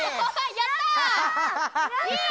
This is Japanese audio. やった！